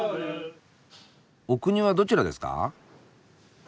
お国はどちらですか？